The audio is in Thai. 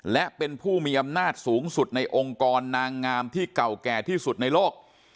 และเป็นผู้มีอำนาจสูงสุดในองค์กรนางงามที่เก่าแก่ที่สุดในโลก